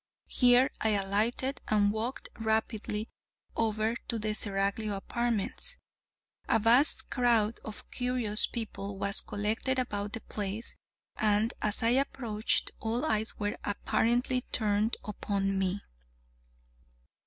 Here I alighted and walked rapidly over to the Seraglio Apartments. A vast crowd of curious people was collected about the place, and as I approached, all eyes were apparently turned upon me.